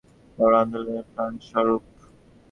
এখানকার মহিলাগণ প্রত্যেকে বড় বড় আন্দোলনের প্রাণস্বরূপ।